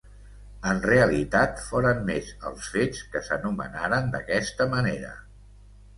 En realitat, foren més els fets que s'anomenaren d'aquesta manera.